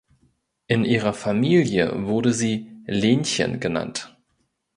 In ihrer Familie wurde sie "Lenchen" genannt.